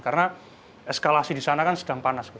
karena eskalasi di sana kan sedang panas